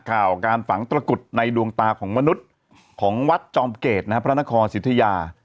ข่าวการฝังตระกุดในดวงตาของมนุษย์ของวัดจอมเกตนะครับพระนครสิทธิยา